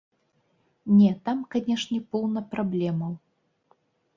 Не, там, канешне, поўна праблемаў.